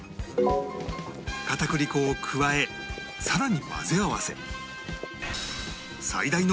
片栗粉を加え更に混ぜ合わせ